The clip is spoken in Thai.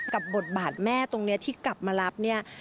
กับบทบาทแม่ตรงนี้ที่กลับมารับ